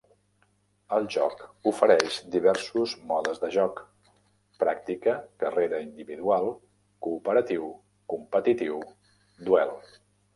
El joc ofereix diversos modes de joc: pràctica, carrera individual, cooperatiu, competitiu, duel.